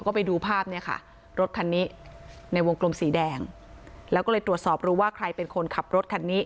ก็ไปดูภาพเนี่ยค่ะรถคันนี้ในวงกลมสีแดงแล้วก็เลยตรวจสอบรู้ว่าใครเป็นคนขับรถคันนี้